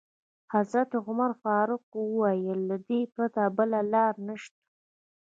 حضرت عمر فاروق وویل: له دې پرته بله لاره نشته.